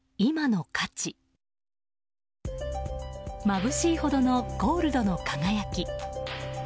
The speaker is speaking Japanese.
まぶしいほどのゴールドの輝き。